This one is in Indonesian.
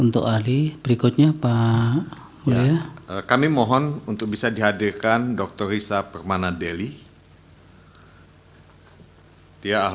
terima kasih hadirin sekalian